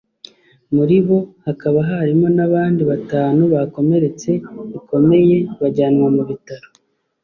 muri bo hakaba harimo n’abandi batanu bakomeretse bikomeye bajyanwa mu bitaro